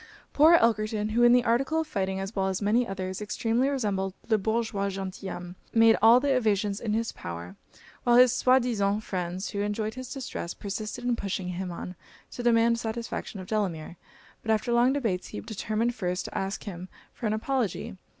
Poor Elkerton, who in the article of fighting, as well as many others, extremely resembled 'le Bourgeois Gentilhomme,' made all the evasions in his power; while his soi disant friends, who enjoyed his distress, persisted in pushing him on to demand satisfaction of Delamere; but after long debates, he determined first to ask him for an apology.